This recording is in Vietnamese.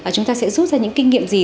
chúng ta sẽ rút ra những kinh nghiệm gì